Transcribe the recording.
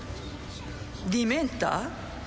ディメンター？